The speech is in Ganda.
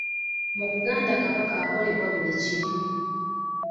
Mu Buganda Kabaka akolerwa buli kimu.